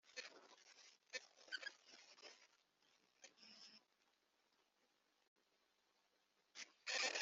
nyir ingabo avuga rwa rubambo l rwashimangiwe hose